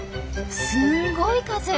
すごい数！